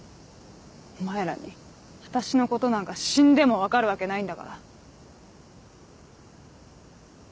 お前らに私のことなんか死んでも分かるわけないんだから。